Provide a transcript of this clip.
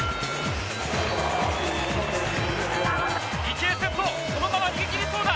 池江先頭そのまま逃げ切りそうだ！